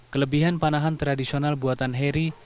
kelebihan panahan tradisional buatan heri